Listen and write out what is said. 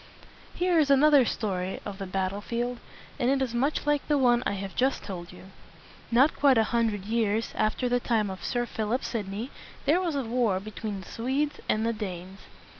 Here is another story of the bat tle field, and it is much like the one which I have just told you. Not quite a hundred years after the time of Sir Philip Sidney there was a war between the Swedes and the Danes.